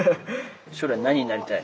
将来何になりたい？